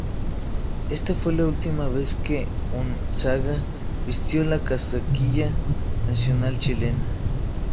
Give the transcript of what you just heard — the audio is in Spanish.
Esta fue la última vez que Unzaga vistió la casaquilla nacional chilena.